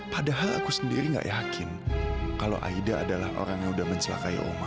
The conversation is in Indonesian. padahal aku sendiri gak yakin kalau aida adalah orang yang udah mencelakai oma